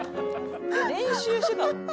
練習してたの？」